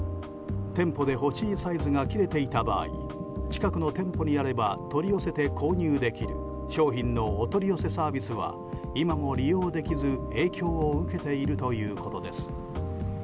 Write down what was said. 店舗で欲しいサイズが切れていた場合近くの店舗にあれば取り寄せて購入できる商品のお取り寄せサービスは今も利用できず影響を受けているということです。